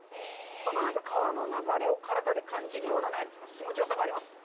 この川の流れを体で感じるような気持ちよさがあります。